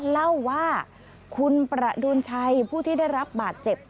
เล่าว่าคุณประดุลชัยผู้ที่ได้รับบาดเจ็บ